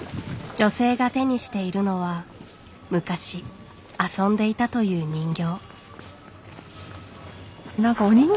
女性が手にしているのは昔遊んでいたという人形。